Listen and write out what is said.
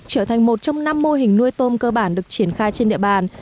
trở thành một trong năm mô hình nuôi tôm cơ bản được triển khai trên địa bàn